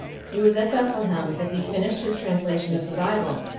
It was at Bethlehem that he finished his translation of the Bible.